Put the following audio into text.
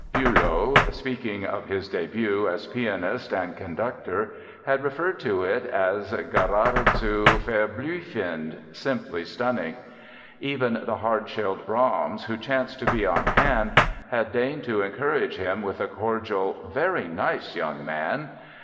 Bülow speaking of his debut as pianist and conductor had referred to it as "geradezu verblüffend" ("simply stunning"); even the hard shelled Brahms, who chanced to be on hand, had deigned to encourage him with a cordial "very nice, young man!"